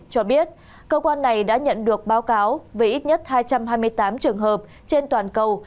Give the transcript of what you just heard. cho biết cơ quan này đã nhận được báo cáo về ít nhất hai trăm hai mươi tám trường hợp trên toàn cầu